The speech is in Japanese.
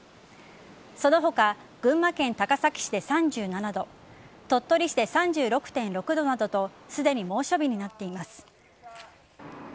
その他、群馬県高崎市で３７度鳥取市で３６．６度などとすでに猛暑日になっています。